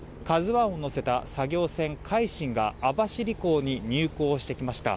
「ＫＡＺＵ１」を乗せた作業船「海進」が網走港に入港してきました。